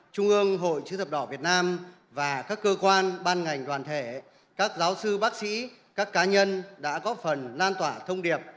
trung ương hội chữ thập đỏ việt nam và các cơ quan ban ngành đoàn thể các giáo sư bác sĩ các cá nhân đã góp phần lan tỏa thông điệp